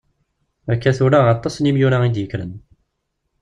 Akka tura, aṭas n yimyura i d-yekkren.